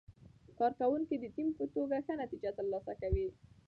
کارکوونکي د ټیم په توګه ښه نتیجه ترلاسه کوي